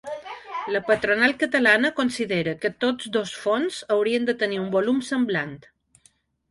La patronal catalana considera que tots dos fons haurien de tenir un volum semblant.